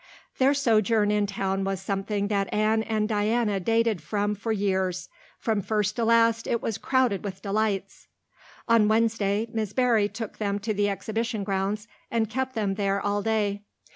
Their sojourn in town was something that Anne and Diana dated from for years. From first to last it was crowded with delights. On Wednesday Miss Barry took them to the Exhibition grounds and kept them there all day.